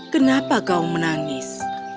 kenapa kau menangis